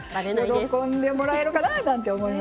喜んでもらえるかな？なんて思いますよね。